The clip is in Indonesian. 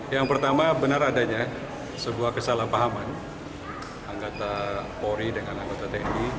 yang pertama benar adanya sebuah kesalahpahaman anggota polri dengan anggota tni